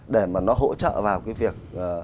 để mà nó hỗ trợ vào cái việc